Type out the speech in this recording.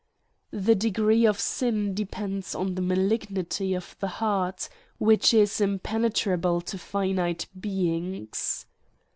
The degree of sin depends on the malignity of the heart, which is impenetrable to finite beings.